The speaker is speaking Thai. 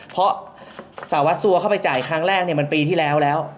เพราะสารวัสสัวเข้าไปจ่ายครั้งแรกมันปีที่แล้วแล้ว